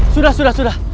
sudah sudah sudah